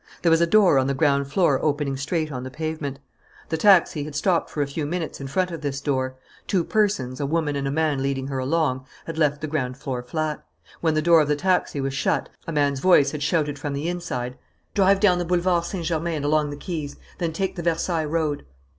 There was a door on the ground floor opening straight on the pavement. The taxi had stopped for a few minutes in front of this door. Two persons, a woman and a man leading her along, had left the ground floor flat. When the door of the taxi was shut, a man's voice had shouted from the inside: "Drive down the Boulevard Saint Germain and along the quays. Then take the Versailles Road."